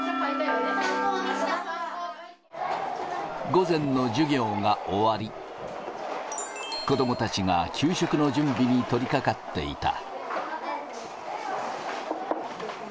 午前の授業が終わり、子どもたちが給食の準備に取りかかっていた。